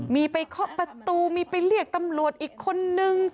มีไปเคาะประตูมีไปเรียกตำรวจอีกคนนึง